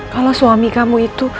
kalau suami kamu itu